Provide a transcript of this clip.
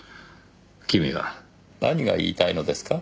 君は何が言いたいのですか？